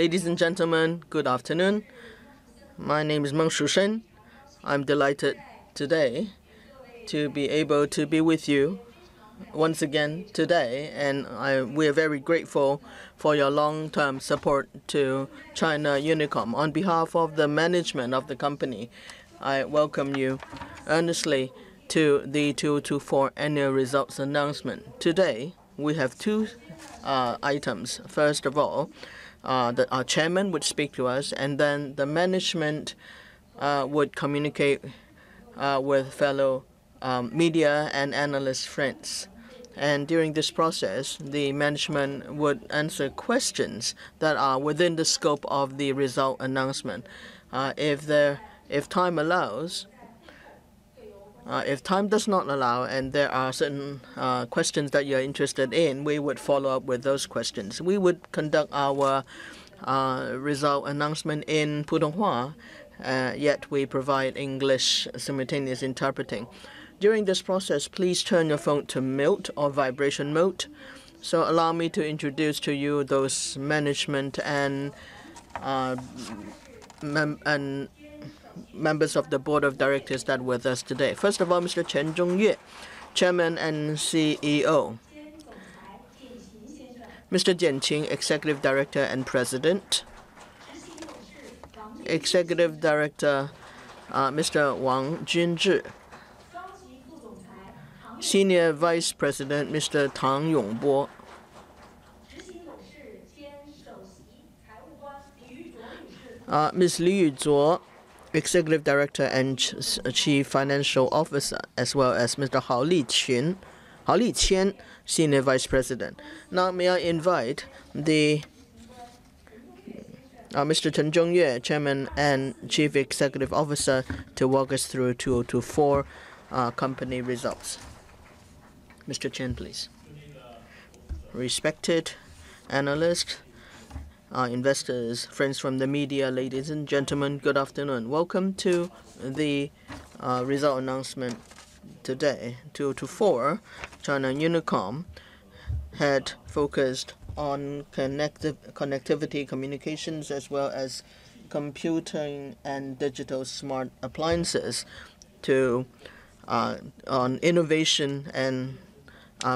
Ladies and gentlemen, good afternoon. My name is Meng Shusen. I'm delighted today to be able to be with you once again today, and we are very grateful for your long-term support to China Unicom. On behalf of the management of the company, I welcome you earnestly to the 2024 annual results announcement. Today, we have two items. First of all, our Chairman would speak to us, and then the management would communicate with fellow media and analyst friends. During this process, the management would answer questions that are within the scope of the result announcement. If time allows, if time does not allow, and there are certain questions that you're interested in, we would follow up with those questions. We would conduct our result announcement in Putonghua, yet we provide English simultaneous interpreting. During this process, please turn your phone to mute or vibration mode. Allow me to introduce to you those management and members of the board of directors that are with us today. First of all, Mr. Chen Zhongyue, Chairman and CEO. Mr. Jian Qin, Executive Director and President. Executive Director, Mr. Wang Junzhi. Senior Vice President, Mr. Tang Yongbo. Miss Li Yuzhuo, Executive Director and Chief Financial Officer, as well as Mr. Hao Liqian, Senior Vice President. Now, may I invite Mr. Chen Zhongyue, Chairman and Chief Executive Officer, to walk us through 2024 company results? Mr. Chen, please. Respected analysts, investors, friends from the media, ladies and gentlemen, good afternoon. Welcome to the result announcement today. In 2024, China Unicom had focused on connectivity, communications, as well as computing and digital smart appliances on innovation and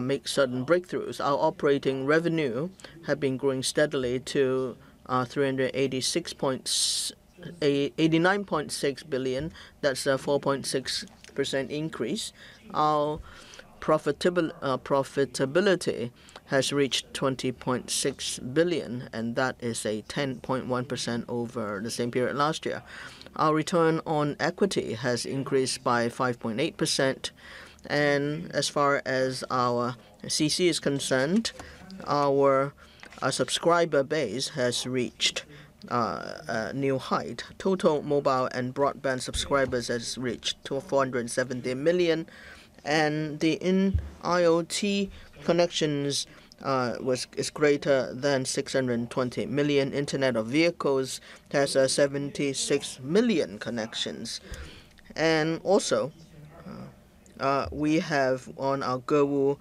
make certain breakthroughs. Our operating revenue had been growing steadily to 389.6 billion. That's a 4.6% increase. Our profitability has reached 20.6 billion, and that is a 10.1% over the same period last year. Our return on equity has increased by 5.8%. As far as our CC is concerned, our subscriber base has reached new heights. Total mobile and broadband subscribers has reached 470 million, and the IoT connections is greater than 620 million. Internet of Vehicles has 76 million connections. Also, we have on our Gewu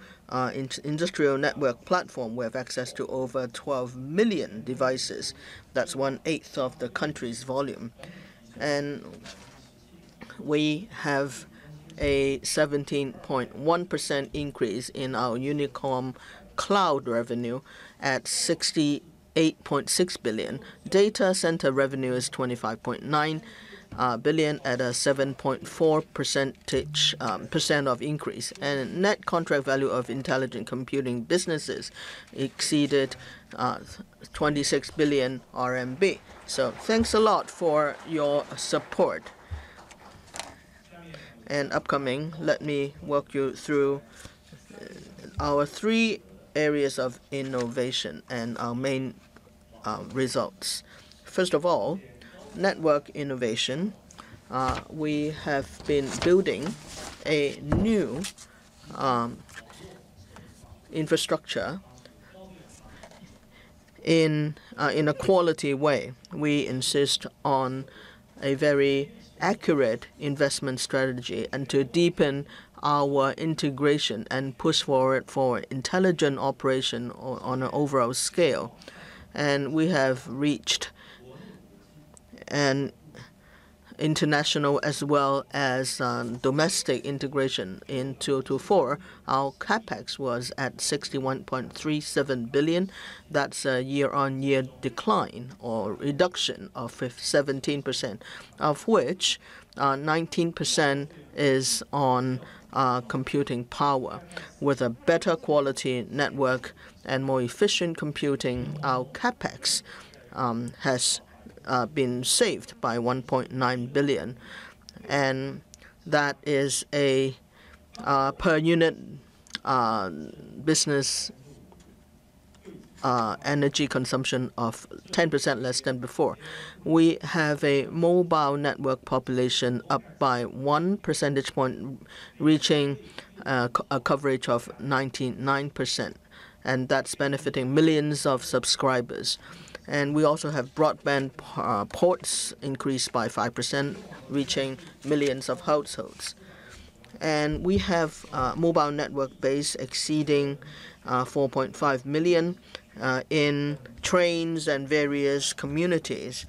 Industrial Network platform, we have access to over 12 million devices. That's one-eighth of the country's volume. We have a 17.1% increase in our Unicom cloud revenue at 68.6 billion. Data center revenue is 25.9 billion at a 7.4% increase. Net contract value of intelligent computing businesses exceeded 26 billion RMB. Thanks a lot for your support. Upcoming, let me walk you through our three areas of innovation and our main results. First of all, network innovation. We have been building a new infrastructure in a quality way. We insist on a very accurate investment strategy to deepen our integration and push forward for intelligent operation on an overall scale. We have reached an international as well as domestic integration in 2024. Our CapEx was at 61.37 billion. That is a year-on-year decline or reduction of 17%, of which 19% is on computing power. With a better quality network and more efficient computing, our CapEx has been saved by 1.9 billion. That is a per-unit business energy consumption of 10% less than before. We have a mobile network population up by one percentage point, reaching a coverage of 99%. That is benefiting millions of subscribers. We also have broadband ports increased by 5%, reaching millions of households. We have mobile network base exceeding 4.5 million in trains and various communities,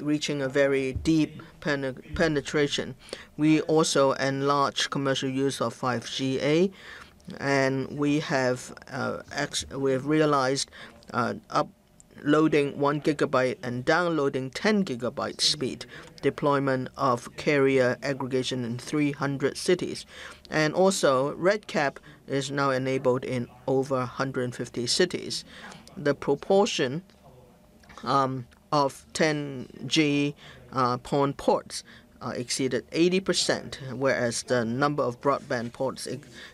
reaching a very deep penetration. We also enlarged commercial use of 5G-A, and we have realized uploading 1 Gbps and downloading 10 Gbps speed, deployment of carrier aggregation in 300 cities. Also, RedCap is now enabled in over 150 cities. The proportion of 10G ports exceeded 80%, whereas the number of broadband ports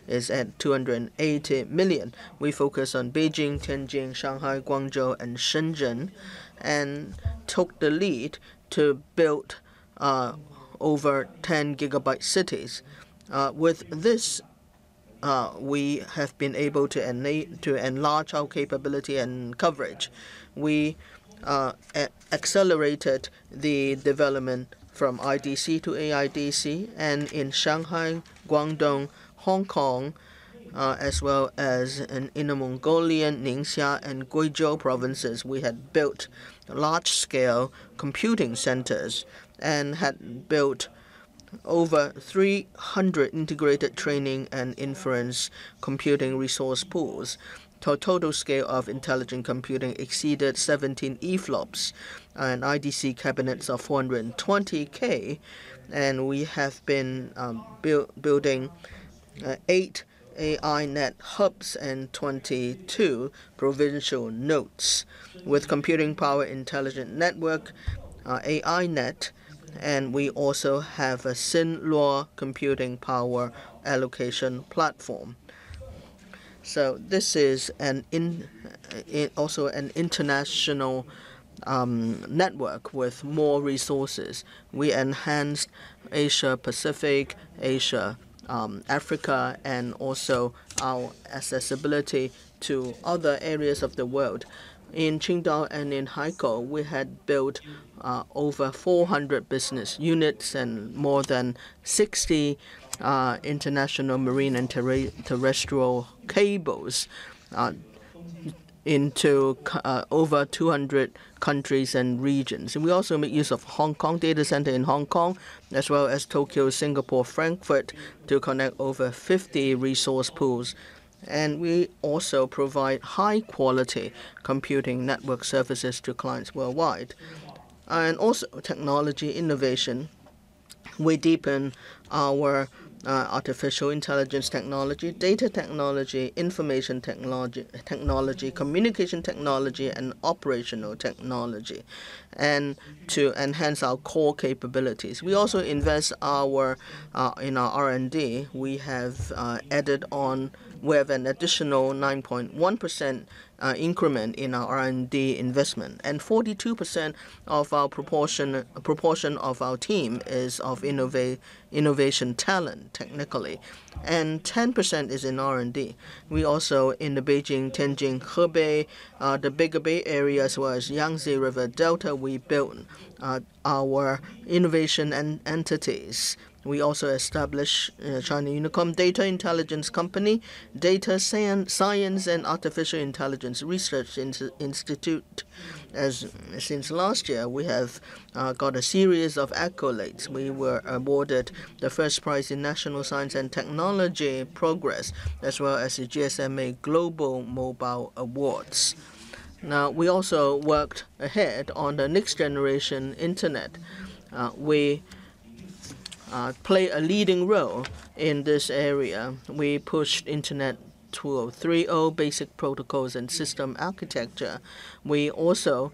is at 280 million. We focus on Beijing, Tianjin, Shanghai, Guangzhou, and Shenzhen, and took the lead to build over 10 Gbps cities. With this, we have been able to enlarge our capability and coverage. We accelerated the development from IDC to AIDC, and in Shanghai, Guangdong, Hong Kong, as well as in Inner Mongolia, Ningxia, and Guizhou provinces, we had built large-scale computing centers and had built over 300 integrated training and inference computing resource pools. Total scale of intelligent computing exceeded 17 EFLOPS, and IDC cabinets are 420,000. We have been building 8 AINet hubs and 22 provincial nodes with computing power, intelligent network, AINet, and we also have a Xingluo computing power allocation platform. This is also an international network with more resources. We enhanced Asia-Pacific, Asia-Africa, and also our accessibility to other areas of the world. In Qingdao and in Haikou, we had built over 400 business units and more than 60 international marine and terrestrial cables into over 200 countries and regions. We also make use of Hong Kong data center in Hong Kong, as well as Tokyo, Singapore, Frankfurt to connect over 50 resource pools. We also provide high-quality computing network services to clients worldwide. Also technology innovation. We deepen our artificial intelligence technology, data technology, information technology, communication technology, and operational technology to enhance our core capabilities. We also invest in our R&D. We have added on with an additional 9.1% increment in our R&D investment. 42% of our proportion of our team is of innovation talent, technically. 10% is in R&D. We also in the Beijing, Tianjin, Hebei, the Greater Bay Area, as well as Yangtze River Delta, we built our innovation entities. We also established China Unicom Data Intelligence Company, Data Science and Artificial Intelligence Research Institute. Since last year, we have got a series of accolades. We were awarded the first prize in National Science and Technology Progress, as well as the GSMA Global Mobile Awards. Now, we also worked ahead on the next generation internet. We played a leading role in this area. We pushed Internet 2030 basic protocols and system architecture. We also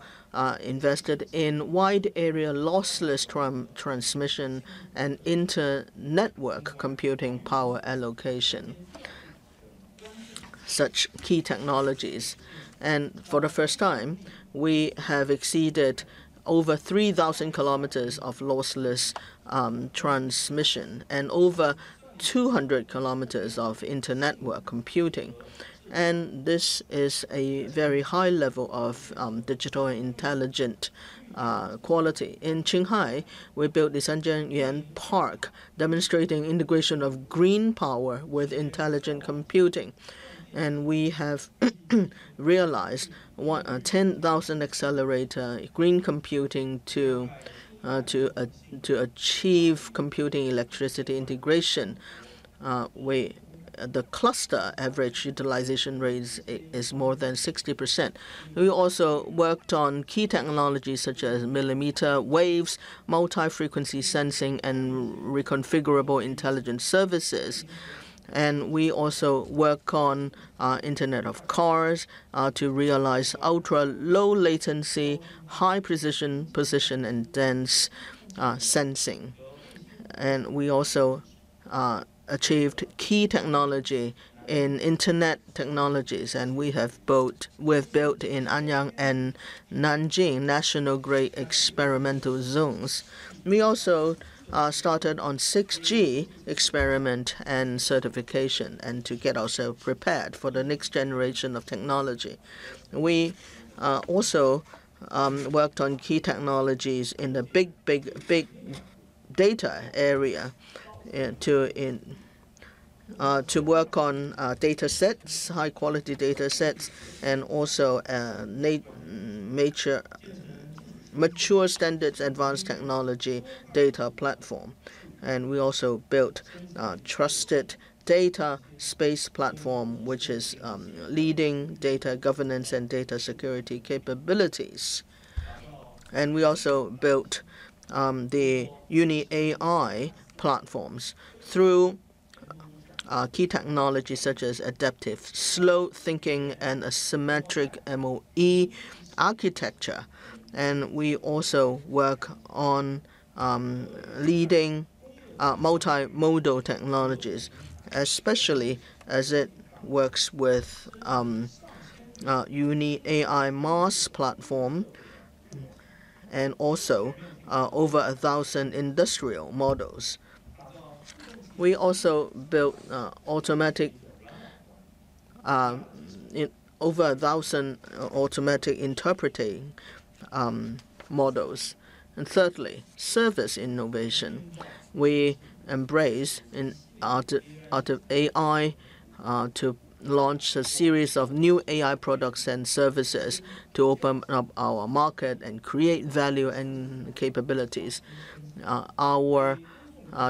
invested in wide area lossless transmission and internetwork computing power allocation, such key technologies. For the first time, we have exceeded over 3,000 km of lossless transmission and over 200 km of internetwork computing. This is a very high level of digital intelligent quality. In Qinghai, we built the Sanjiangyuan Park demonstrating integration of green power with intelligent computing. We have realized 10,000 accelerator green computing to achieve computing electricity integration. The cluster average utilization rate is more than 60%. We also worked on key technologies such as millimeter waves, multi-frequency sensing, and reconfigurable intelligence services. We also worked on Internet of Vehicles to realize ultra-low latency, high precision, position, and dense sensing. We also achieved key technology in internet technologies, and we have built in Anyang and Nanjing National Great Experimental Zones. We also started on 6G experiment and certification to get ourselves prepared for the next generation of technology. We also worked on key technologies in the big, big data area to work on data sets, high-quality data sets, and also mature standards, advanced technology data platform. We also built a trusted data space platform, which is leading data governance and data security capabilities. We also built the UniAI platforms through key technologies such as adaptive slow thinking and a symmetric MoE architecture. We also work on leading multimodal technologies, especially as it works with UniAI MaaS platform and also over 1,000 industrial models. We also built over 1,000 automatic interpreting models. Thirdly, service innovation. We embraced AI to launch a series of new AI products and services to open up our market and create value and capabilities. Our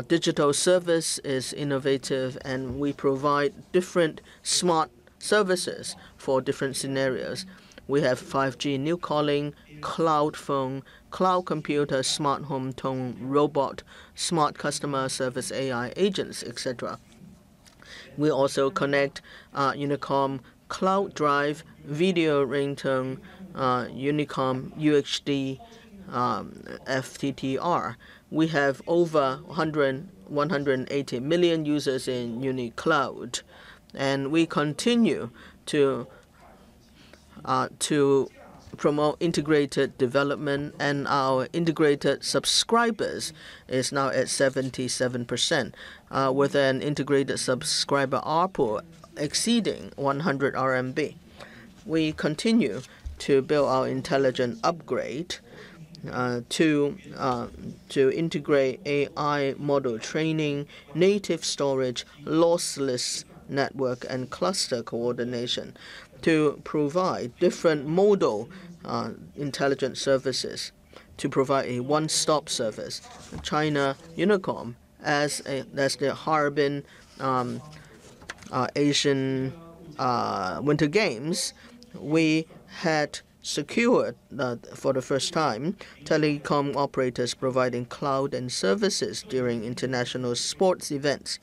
digital service is innovative, and we provide different smart services for different scenarios. We have 5G new calling, cloud phone, cloud computer, smart home tone robot, smart customer service AI agents, etc. We also connect Unicom Cloud Drive, video ringtone, Unicom UHD FTTR. We have over 180 million users in UniCloud, and we continue to promote integrated development, and our integrated subscribers is now at 77% with an integrated subscriber output exceeding 100 RMB. We continue to build our intelligent upgrade to integrate AI model training, native storage, lossless network, and cluster coordination to provide different model intelligence services to provide a one-stop service. China Unicom, as the Harbin Asian Winter Games, we had secured for the first time telecom operators providing cloud and services during international sports events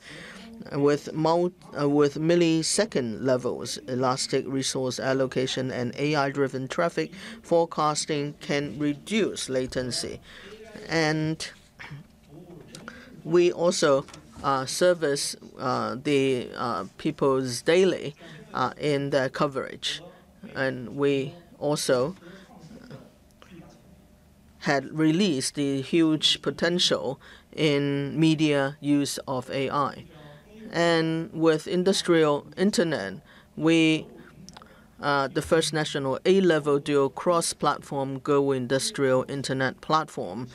with millisecond levels, elastic resource allocation, and AI-driven traffic forecasting can reduce latency. We also service the People's Daily in their coverage. We also had released the huge potential in media use of AI. With industrial internet, we are the first national A-level dual cross-platform Gewu industrial internet platform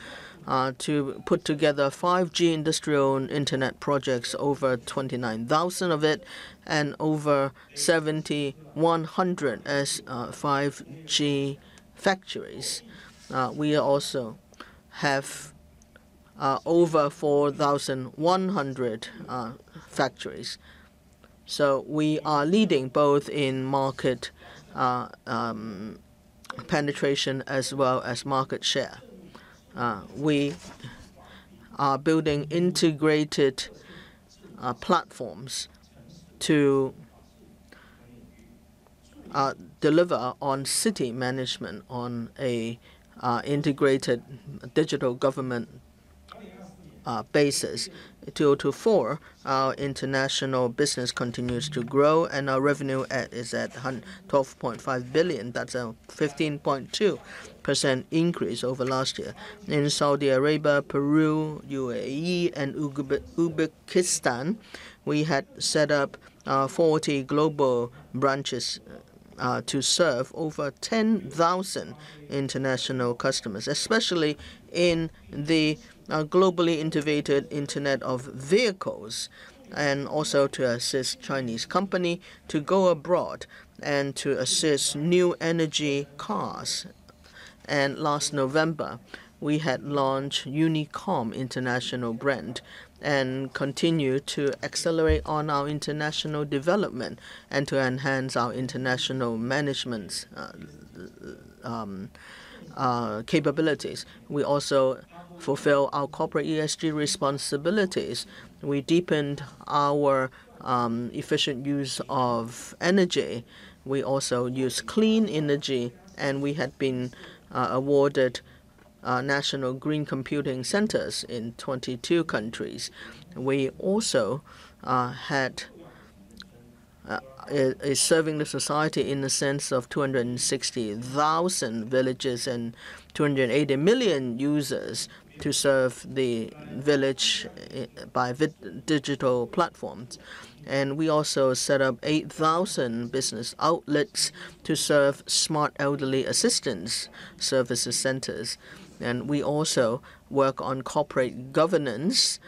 to put together 5G industrial internet projects, over 29,000 of it, and over 7,100 as 5G factories. We also have over 4,100 factories. We are leading both in market penetration as well as market share. We are building integrated platforms to deliver on city management on an integrated digital government basis. In 2024, our international business continues to grow, and our revenue is at 12.5 billion. That's a 15.2% increase over last year. In Saudi Arabia, Peru, UAE, and Uzbekistan, we had set up 40 global branches to serve over 10,000 international customers, especially in the globally integrated Internet of Vehicles, and also to assist Chinese companies to go abroad and to assist new energy cars. Last November, we had launched UniCom International brand and continue to accelerate on our international development and to enhance our international management capabilities. We also fulfill our corporate ESG responsibilities. We deepened our efficient use of energy. We also use clean energy, and we had been awarded national green computing centers in 22 countries. We also had a serving the society in the sense of 260,000 villages and 280 million users to serve the village by digital platforms. We also set up 8,000 business outlets to serve smart elderly assistance services centers. We also work on corporate governance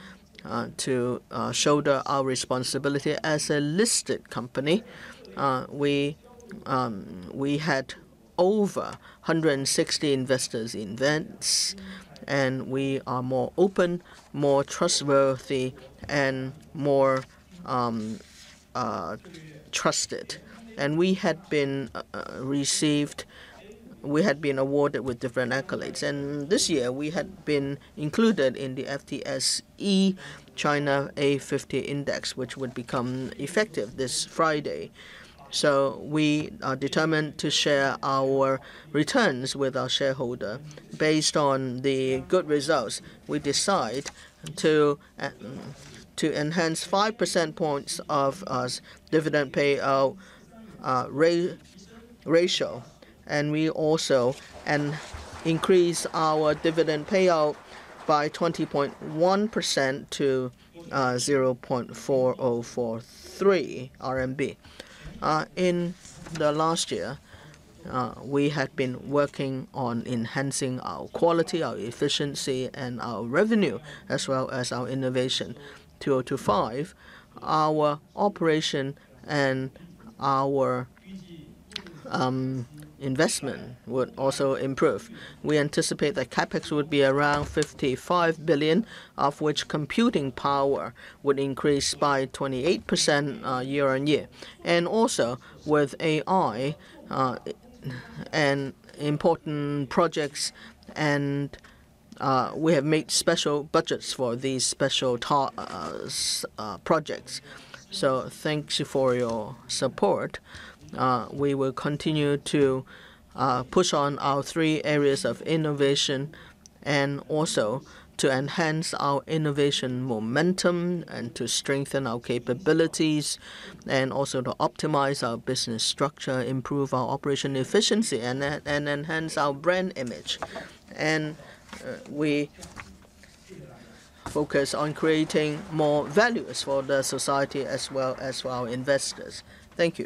to shoulder our responsibility as a listed company. We had over 160 investors in events, and we are more open, more trustworthy, and more trusted. We had been received, we had been awarded with different accolades. This year, we had been included in the FTSE China A50 index, which would become effective this Friday. We are determined to share our returns with our shareholder. Based on the good results, we decide to enhance 5 percentage points of our dividend payout ratio. We also increase our dividend payout by 20.1% to 0.4043 RMB. In the last year, we had been working on enhancing our quality, our efficiency, and our revenue, as well as our innovation. In 2025, our operation and our investment would also improve. We anticipate that CapEx would be around 55 billion, of which computing power would increase by 28% year on year. Also, with AI and important projects, we have made special budgets for these special projects. Thanks for your support. We will continue to push on our three areas of innovation and also to enhance our innovation momentum and to strengthen our capabilities and also to optimize our business structure, improve our operation efficiency, and enhance our brand image. We focus on creating more values for the society as well as for our investors. Thank you.